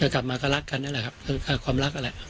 กลับมาก็รักกันนั่นแหละครับความรักนั่นแหละ